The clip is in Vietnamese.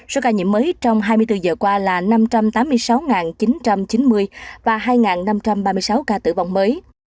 số ca nhiễm mới trong hai mươi bốn giờ qua là năm trăm tám mươi sáu chín trăm chín mươi và hai năm trăm ba mươi sáu ca tử vong mới